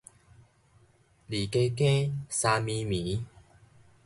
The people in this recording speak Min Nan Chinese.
二更更，三暝暝